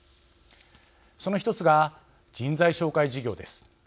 その１つが人材紹介事業です。